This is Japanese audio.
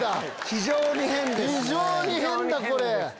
非常に変だ！これ。